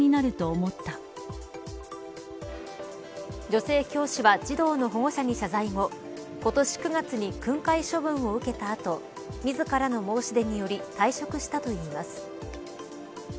女性教師は児童の保護者に謝罪後今年９月に訓戒処分を受けた後自らの申し出により退職したといいます。